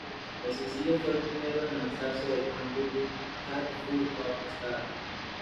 El sencillo fue el primero en lanzarse del álbum Hat Full of Stars.